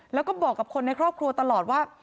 แล้วก็บอกกับคนในครอบครัวตลอดว่า